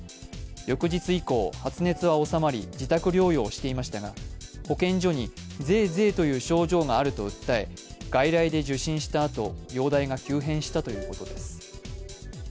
翌日以降、発熱は治まり自宅療養していましたが保健所にぜえぜえという症状があると訴え、外来で受診したあと容体が急変したということです。